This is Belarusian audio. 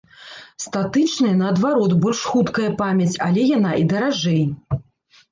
Статычная, наадварот, больш хуткая памяць, яле яна і даражэй.